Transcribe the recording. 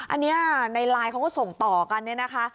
อันนี้ในไลน์เขาก็ส่งต่อกันเนี่ยนะคะ